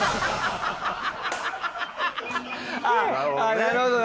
なるほどね。